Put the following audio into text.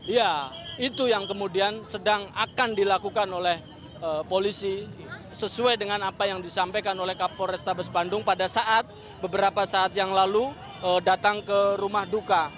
ya itu yang kemudian sedang akan dilakukan oleh polisi sesuai dengan apa yang disampaikan oleh kapol restabes bandung pada saat beberapa saat yang lalu datang ke rumah duka